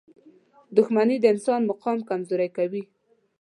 • دښمني د انسان مقام کمزوری کوي.